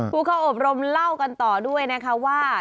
ผู้เข้าอบรมเล่ากันต่อด้วยนะคะว่า